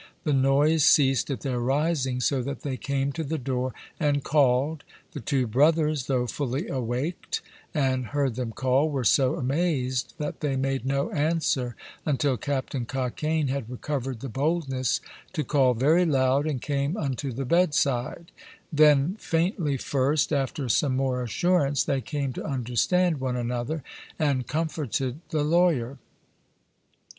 The noise ceased at their rising, so that they came to the door and called. The two brothers, though fully awaked, and heard them call, were so amazed, that they made no answer until Captain Cockaine had recovered the boldness to call very loud, and came unto the bed side; then faintly first, after some more assurance, they came to understand one another, and comforted the lawyer.